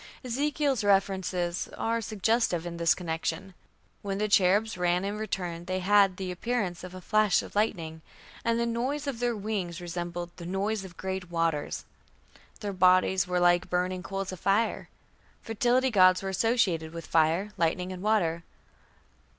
Ezekiel's references are suggestive in this connection. When the cherubs "ran and returned" they had "the appearance of a flash of lightning", and "the noise of their wings" resembled "the noise of great waters". Their bodies were "like burning coals of fire". Fertility gods were associated with fire, lightning, and water.